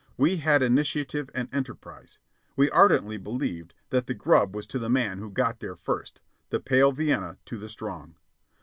We had initiative and enterprise. We ardently believed that the grub was to the man who got there first, the pale Vienna to the strong.